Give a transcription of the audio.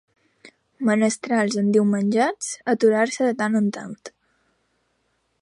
Menestrals endiumenjats aturant-se de tant en tant